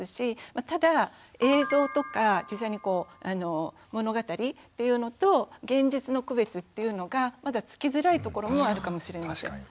ただ映像とか物語っていうのと現実の区別っていうのがまだつきづらいところもあるかもしれません。